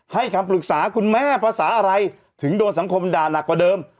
คำปรึกษาคุณแม่ภาษาอะไรถึงโดนสังคมด่านักกว่าเดิม